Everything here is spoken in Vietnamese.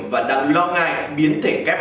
và đang lo ngại biến thể kép